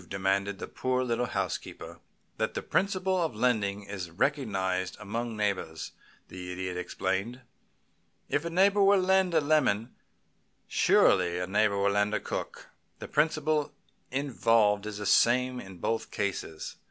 demanded the poor little housekeeper. "That the principle of lending is recognized among neighbors," the Idiot explained. "If a neighbor will lend a lemon, surely a neighbor will lend a cook. The principle involved is the same in both cases.